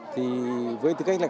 thì với tư cách là